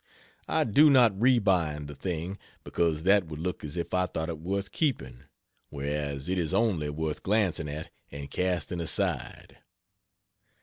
I do not rebind the thing, because that would look as if I thought it worth keeping, whereas it is only worth glancing at and casting aside.